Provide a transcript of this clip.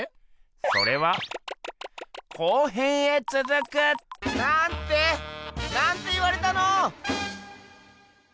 それは後編へつづく！なんて？なんて言われたの？